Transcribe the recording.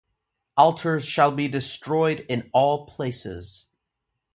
Altars shall be destroyed in all places.